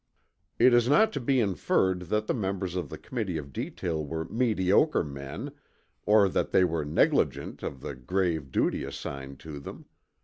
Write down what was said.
It is not to be inferred that the members of the Committee of Detail were mediocre men or that they were negligent of the grave duty assigned to them.